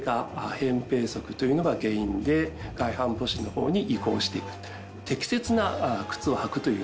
扁平足というのが原因で外反母趾の方に移行していく。と思います。